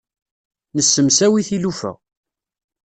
Nessemsawi tilufa.